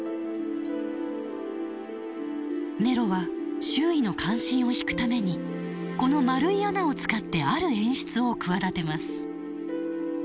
ネロは周囲の関心を引くためにこの丸い穴を使ってある演出を企てます。